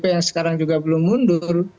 yang sekarang juga belum mundur